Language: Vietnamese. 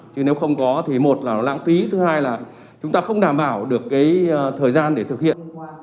chứ nếu không có thì một là nó lãng phí thứ hai là chúng ta không đảm bảo được cái thời gian để thực hiện